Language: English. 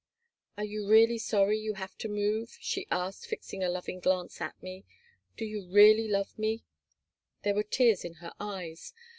"Are you really sorry you have to move?" she asked, fixing a loving glance at me. "Do you really love me?" There were tears in her eyes.